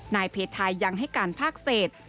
นายเพทายังให้การภาคเศษ